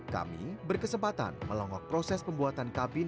kami berkesempatan melongok proses pembuatan kabin